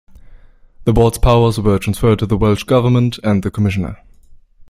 The Board's powers were transferred to the Welsh Government and the Commissioner.